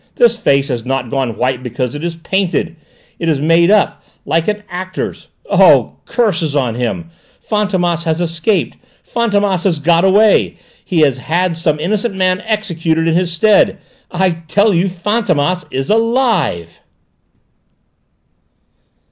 "This face has not gone white because it is painted! It is made up like an actor's! Oh, curses on him! Fantômas has escaped! Fantômas has got away! He has had some innocent man executed in his stead! I tell you Fantômas is alive!"